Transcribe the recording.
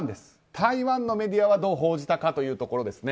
台湾のメディアはどう報じたかというところですね。